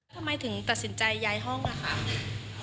ทำไมถึงตัดสินใจย้ายห้องล่ะคะ